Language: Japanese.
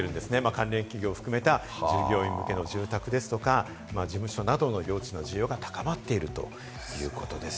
関連企業を含めた従業員向けの住宅や事務所などの用地の需要が高まっているということです。